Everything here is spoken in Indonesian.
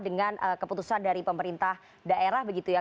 dengan keputusan dari pemerintah daerah begitu ya